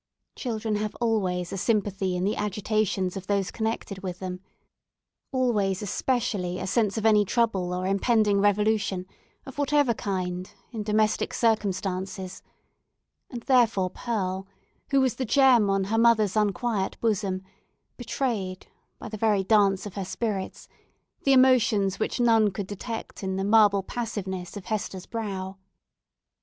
Children have always a sympathy in the agitations of those connected with them: always, especially, a sense of any trouble or impending revolution, of whatever kind, in domestic circumstances; and therefore Pearl, who was the gem on her mother's unquiet bosom, betrayed, by the very dance of her spirits, the emotions which none could detect in the marble passiveness of Hester's brow.